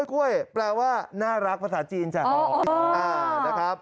กล้วยแปลว่าน่ารักภาษาจีน